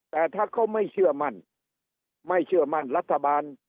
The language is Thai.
แต่ถ้าเขาไม่เชื่อมั่นไม่เชื่อมั่นรัฐบาล